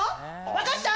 分かった？